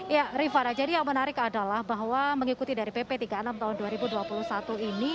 ya rifana jadi yang menarik adalah bahwa mengikuti dari pp tiga puluh enam tahun dua ribu dua puluh satu ini